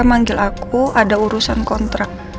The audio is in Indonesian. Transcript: manggil aku ada urusan kontrak